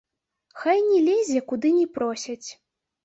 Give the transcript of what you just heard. Хай не лезе, куды не просяць.